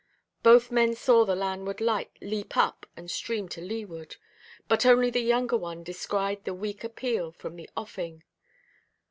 Both men saw the landward light leap up and stream to leeward; but only the younger one descried the weak appeal from the offing.